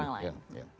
atau menuju orang lain